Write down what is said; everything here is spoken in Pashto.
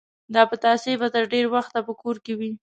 دا پتاسې به تر ډېر وخت په کور کې وې.